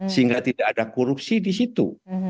sehingga tidak ada korupsi di situ